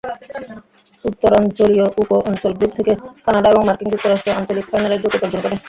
উত্তরাঞ্চলীয় উপ-অঞ্চল গ্রুপ থেকে, কানাডা এবং মার্কিন যুক্তরাষ্ট্র আঞ্চলিক ফাইনালের যোগ্যতা অর্জন করে।